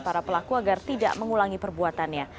para pelaku agar tidak mengulangi perbuatannya